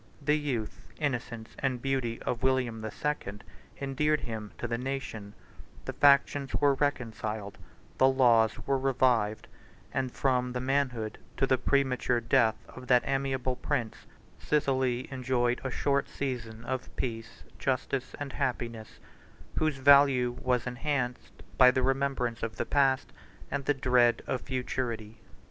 The youth, innocence, and beauty of William the Second, 128 endeared him to the nation: the factions were reconciled; the laws were revived; and from the manhood to the premature death of that amiable prince, Sicily enjoyed a short season of peace, justice, and happiness, whose value was enhanced by the remembrance of the past and the dread of futurity.